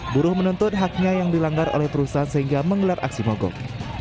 buruh menuntut haknya yang dilanggar oleh perusahaan sehingga menggelar aksi mogok